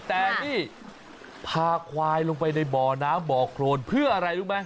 แต่นี่พาควายลงไปในบ่อน้ำบ่อโครนเพื่ออะไรรู้ไหม